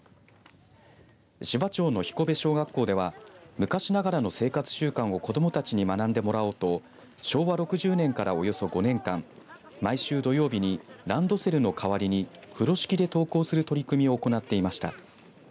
紫波町の彦部小学校では昔ながらの生活習慣を子どもたちに学んでもらおうと昭和６０年から、およそ５年間毎週土曜日にランドセルの代わりに風呂敷で登校する取り組みを行っていました。